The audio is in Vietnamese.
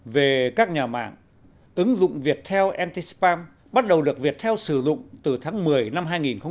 về các nhà mạng ứng dụng viettel anti spam bắt đầu được viettel sử dụng từ tháng một mươi năm hai nghìn một mươi năm